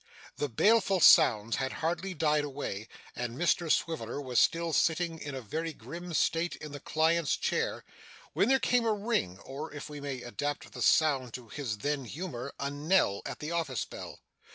The baleful sounds had hardly died away, and Mr Swiveller was still sitting in a very grim state in the clients' chair, when there came a ring or, if we may adapt the sound to his then humour, a knell at the office bell.